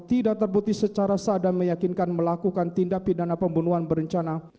tidak terbukti secara sadar meyakinkan melakukan tindak pidana pembunuhan berencana